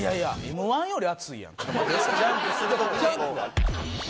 Ｍ−１より熱いやん。